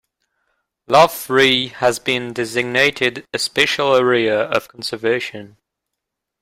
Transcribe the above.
Lough Ree has been designated a Special Area of Conservation.